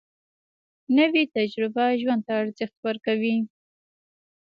نوې تجربه ژوند ته ارزښت ورکوي